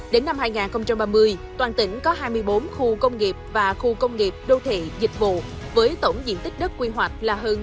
đến năm hai nghìn ba mươi toàn tỉnh có hai mươi bốn khu công nghiệp và khu công nghiệp đô thị dịch vụ với tổng diện tích đất quy hoạch là hơn